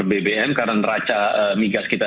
bbm karena neraca migas kita